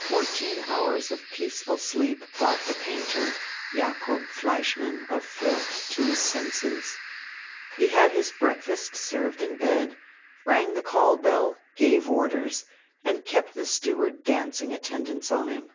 Fourteen hours of peaceful sleep brought the painter, Jacob Fleischmann of Fürth to his senses. He had his breakfast served in bed, rang the call bell, gave orders, and kept the steward dancing attendance on him.